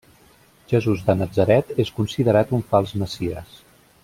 Jesús de Natzaret és considerat un fals messies.